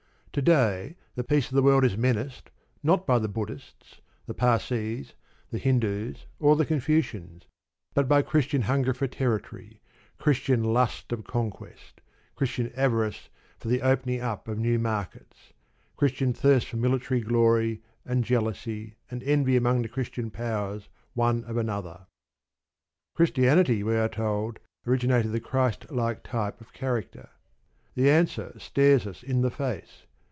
To day the peace of the world is menaced, not by the Buddhists, the Parsees, the Hindoos, or the Confucians, but by Christian hunger for territory, Christian lust of conquest, Christian avarice for the opening up of "new markets," Christian thirst for military glory, and jealousy, and envy amongst the Christian powers one of another. Christianity, we are told, originated the Christ like type of character. The answer stares us in the face.